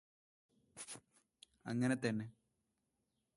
അങ്ങനെതന്നെ